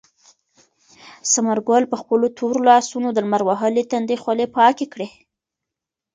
ثمر ګل په خپلو تورو لاسونو د لمر وهلي تندي خولې پاکې کړې.